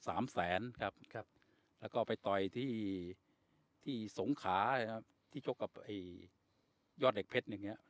สามแสนครับครับแล้วก็ไปต่อยที่ที่สงขานะครับที่ชกกับไอ้ยอดเหล็กเพชรอย่างเงี้